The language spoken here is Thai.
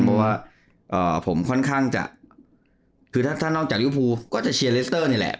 เพราะว่าผมค่อนข้างจะคือถ้านอกจากลิวภูก็จะเชียร์เลสเตอร์นี่แหละ